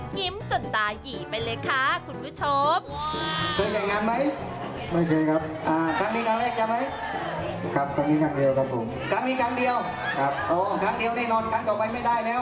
ยิ้มจนตายีไปเลยค่ะคุณผู้ชม